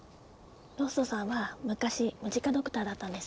ロッソさんは昔ムジカドクターだったんです。